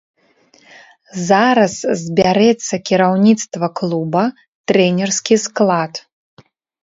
Зараз збярэцца кіраўніцтва клуба, трэнерскі склад.